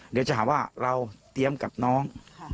เดี๋ยวจะหาว่าเราเตรียมกับน้อง